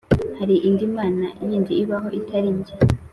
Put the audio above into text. hari indi mana yindi ibaho, itari jye?